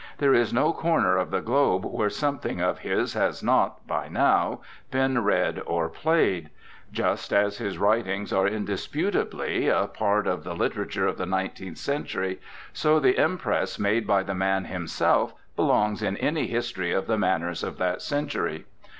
There is no corner of the globe where something of his has not, by now, been read or played. Just as his writings are indisputably a part of the 18 INTRODUCTION literature of the nineteenth century, so the impress made by the man himself belongs in any history of the manners of that century.